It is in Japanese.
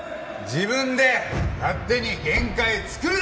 自分で勝手に限界作るな！